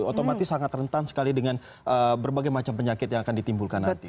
otomatis sangat rentan sekali dengan berbagai macam penyakit yang akan ditimbulkan nanti